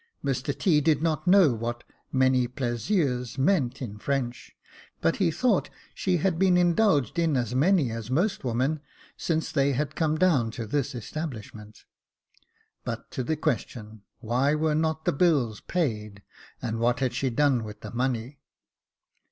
Mr T. did not know what many pleasures meant in French ; but he thought she had been indulged in as many as most women, since they had come down to this establishment. But to the question : why were not the bills paid, and what had she done with the money